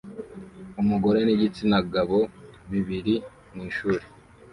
Umugore nigitsina gabo bibiri mwishuri